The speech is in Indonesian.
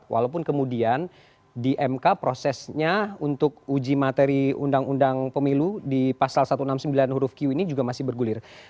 walaupun kemudian di mk prosesnya untuk uji materi undang undang pemilu di pasal satu ratus enam puluh sembilan huruf q ini juga masih bergulir